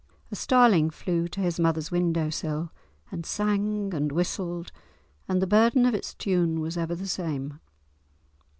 A starling flew to his mother's window sill, and sang and whistled, and the burden of its tune was ever the same.